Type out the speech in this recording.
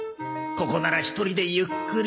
ここなら一人でゆっくり。